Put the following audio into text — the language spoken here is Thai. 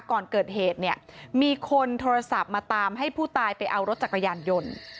ก่อนเกิดเหตุเนี่ยมีคนโทรศัพท์มาตามให้ผู้ตายไปเอารถจักรยานยนต์